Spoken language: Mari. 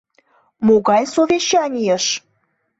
Могай совещанийыш?